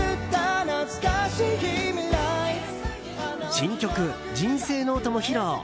新曲「人生ノート」も披露。